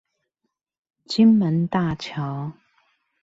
金門大橋